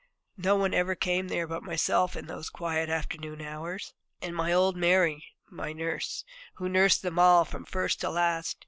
No one ever came there but myself in those quiet afternoon hours, and my old Mary, my nurse, who nursed them all from first to last.